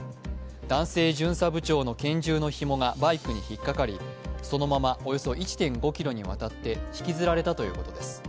男性巡査部長の拳銃のひもがバイクに引っ掛かりそのまま、およそ１．５ｋｍにわたって引きずられたということです。